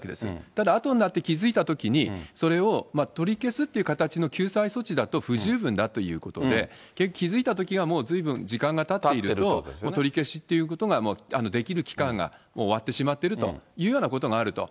ただあとになって気付いたときに、それを取り消すっていう形の救済措置だと不十分だということで、気付いたときはもうずいぶん時間がたっていると、もう取り消しっていうことができる期間がもう終わってしまっているというようなことがあると。